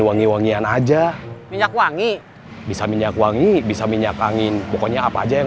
wangi wangian aja minyak wangi bisa minyak wangi bisa minyak angin pokoknya apa aja yang